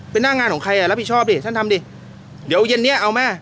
เป็นหน้างานของใครอ่ะรับผิดชอบดิท่านทำดิเดี๋ยวเย็นเนี้ยเอาแม่